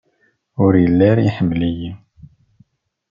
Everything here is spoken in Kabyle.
Ur yelli ara iḥemmel-iyi.